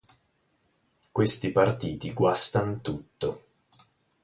Questi partiti guastan tutto.